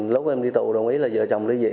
lúc em đi tù đồng ý là vợ chồng ly dị